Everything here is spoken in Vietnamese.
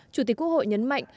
chủ tịch quốc hội nhấn mạnh